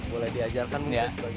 boleh diajarkan bung chris